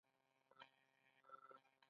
آیا د خواف هرات ریل پټلۍ جوړه نه شوه؟